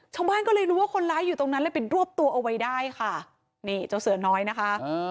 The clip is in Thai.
ชาวบ้านก็เลยรู้ว่าคนร้ายอยู่ตรงนั้นเลยไปรวบตัวเอาไว้ได้ค่ะนี่เจ้าเสือน้อยนะคะ